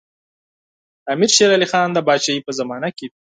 د امیر شېر علي خان د پاچاهۍ په زمانه کې.